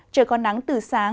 trời có nắng từ sáng đến sáng